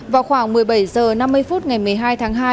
vào khoảng một mươi bảy h năm mươi phút ngày một mươi hai tháng hai